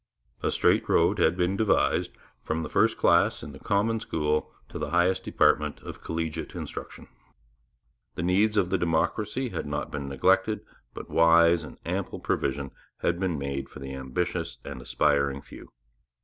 A straight road had been devised from the first class in the common school to the highest department of collegiate instruction. The needs of the democracy had not been neglected, but wise and ample provision had been made for the ambitious and aspiring few.